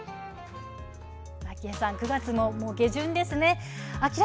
あきえさん９月もももう下旬ですね。